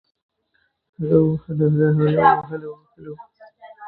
The town grew at this road's intersection with the Gaines Trace.